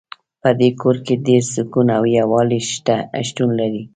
په دې کور کې ډېر سکون او یووالۍ شتون لری